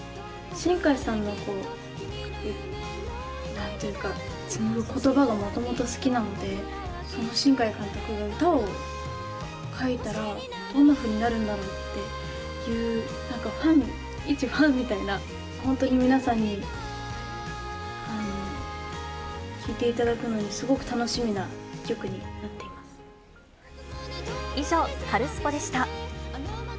新海さんのなんていうか、つむぐことばがもともと好きなので、その新海監督が歌を書いたら、どんなふうになるんだろうっていう、なんかファン、一ファンみたいな、本当に皆さんに聴いていただくのに、以上、カルスポっ！でした。